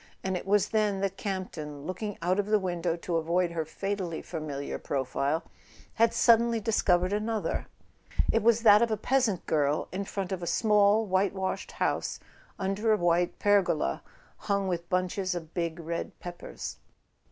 And it was then that Campton, looking out of the window to avoid her fatally familiar profile, had suddenly dis¬ covered another. It was that of a peasant girl in front of a small whitewashed house, under a white pergola hung with bunches of big red peppers.